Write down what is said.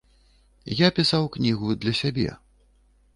Я пісаў кнігу для сябе.